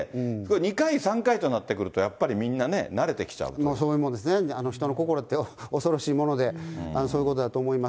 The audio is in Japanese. ２回、３回となってくると、やっぱり、みんなね、それもですね、人の心って恐ろしいもので、そういうことだと思います。